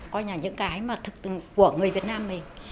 coi như là những cái mà thực tự của người việt nam này